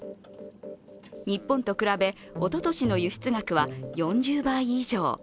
日本と比べ、おととしの輸出額は４０倍以上。